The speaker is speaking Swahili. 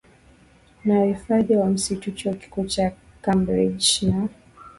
na uhifadhi wa misitu Chuo Kikuu cha Cambridge na